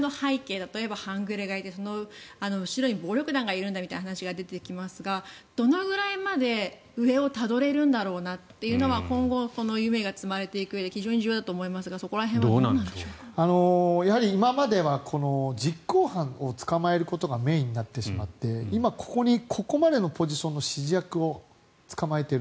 例えば半グレがいて、その後ろに暴力団がいるんだという話が出てきますが、どのぐらいまで上をたどれるんだろうなというのは今後、積まれていくうえで重要だと思いますがやはり今までは実行犯を捕まえることがメインになってしまって今ここまでのポジションの指示役を捕まえている。